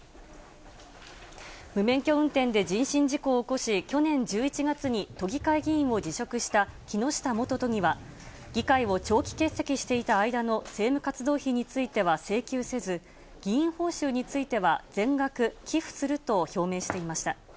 無免許運転で人身事故を起こし、去年１１月に都議会議員を辞職した木下元都議は、議会を長期欠席していた間の政務活動費については請求せず、議員報酬については全額、寄付すると表明していました。